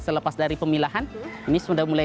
selepas dari pemilahan ini sudah mulai